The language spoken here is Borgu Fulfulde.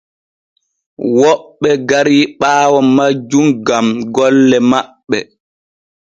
Woɓɓe gari ɓaawo majjum gam golle maɓɓe.